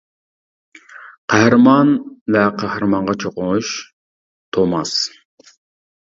قەھرىمان ۋە قەھرىمانغا چوقۇنۇش : توماس.